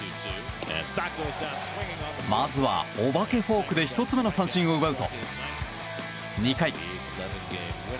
まずはお化けフォークで１つ目の三振を奪うと、２回。